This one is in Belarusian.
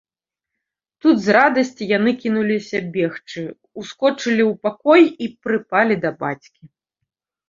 Тут з радасці яны кінуліся бегчы, ускочылі ў пакой і прыпалі да бацькі